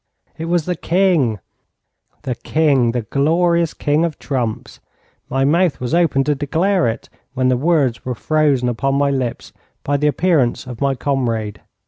It was the king, the king, the glorious king of trumps! My mouth was open to declare it when the words were frozen upon my lips by the appearance of my comrade.